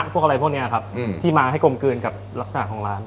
พวกอะไรพวกนี้ครับที่มาให้กลมกลืนกับลักษณะของร้าน